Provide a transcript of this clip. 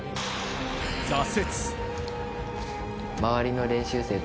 挫折。